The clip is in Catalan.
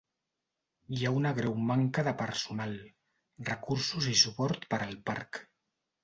Hi ha una greu manca de personal, recursos i suport per al parc.